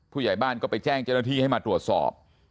ผู้ใหญ่บ้านก็ไปแจ้งจันทรธีให้มาตรวจสอบ